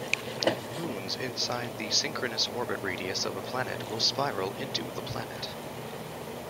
Moons inside the synchronous orbit radius of a planet will spiral into the planet.